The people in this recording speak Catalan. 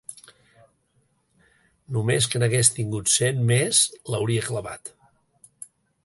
Només que n'hagués tingut cent més l'hauria clavat.